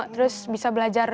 terus bisa belajar